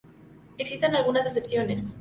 Existen algunas excepciones.